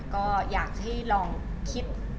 ก็อยากให้ลองคิด